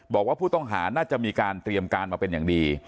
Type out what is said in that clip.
บอกว่าผู้ต้องหาน่าจะมีการเตรียมการมาเป็นอย่างดี